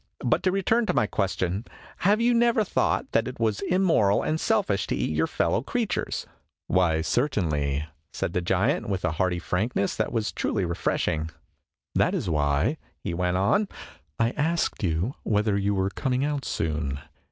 But, to return to my question, have you never thought that it was immoral and selfish to eat your fellow creatures ?"" Why, certainly," said the giant, with a hearty frankness that was truly refreshing. " That is why," he went on, " I asked you whether you were coming out soon.